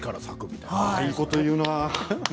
いいこと言うな。